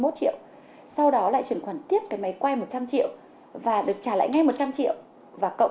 hai mươi một triệu sau đó lại chuyển khoản tiếp cái máy quay một trăm linh triệu và được trả lại ngay một trăm linh triệu và cộng